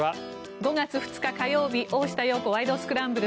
５月２日、火曜日「大下容子ワイド！スクランブル」。